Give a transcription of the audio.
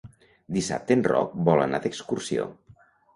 Dissabte en Roc vol anar d'excursió.